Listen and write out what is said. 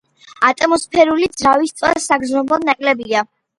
ატმოსფერული ძრავის წვა საგრძნობლად ნაკლებია.